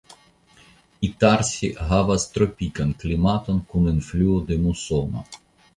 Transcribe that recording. Itarsi havas tropikan klimaton kun influo de musono.